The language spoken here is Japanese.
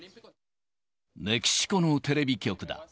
メキシコのテレビ局だ。